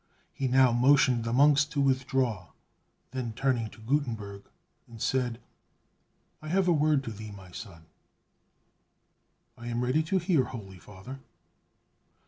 He now motioned the monks to withdraw; then, turning to Gutenberg, said, "I have a word to thee, my son!" "I am ready to hear, holy Father!"